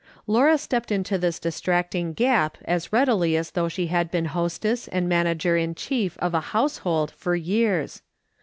Laura stepped into this distracting gap as readily as though she had been hostess and manager in chief of a household for years.